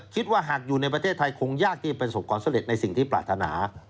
ชอบการไปสละในสิ่งที่ปรารถนา